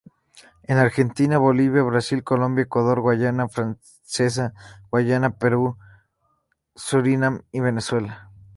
En Argentina, Bolivia, Brasil, Colombia, Ecuador, Guayana Francesa, Guayana, Perú, Surinam y Venezuela.